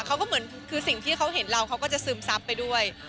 เขาก็เหมือนคือสิ่งที่เขาเห็นเราเขาก็จะซึมซับไปด้วย